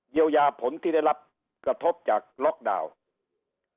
ยาผลที่ได้รับกระทบจากล็อกดาวน์